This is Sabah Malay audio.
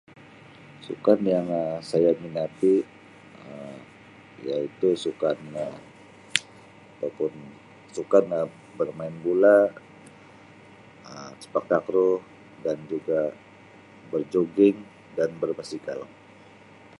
Sukan yang Um saya minati Um iaitu sukan yang sukan bermain bola Um sepak takraw dan juga berjogging dan berbasikal.